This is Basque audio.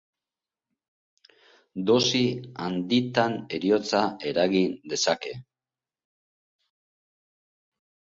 Dosi handitan heriotza eragin dezake.